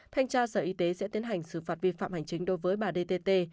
thanh tra sở y tế sẽ tiến hành xử phạt vi phạm hành chính đối với bà dtt